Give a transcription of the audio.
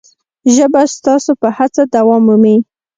ژبه ستاسو په هڅه دوام مومي.